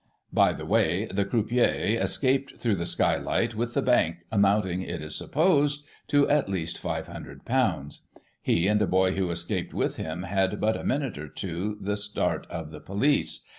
By the way, the croupier escaped through the skylight, with the bank, amounting, it is supposed, to, at least, iS'500. He, and a boy who escaped with him, had but a minute or two the start of the police.